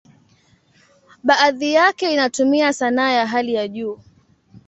Baadhi yake inatumia sanaa ya hali ya juu.